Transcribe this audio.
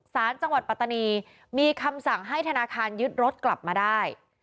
สารจังหวัดปัตตานีมีคำสั่งให้ธนาคารยึดรถกลับมาได้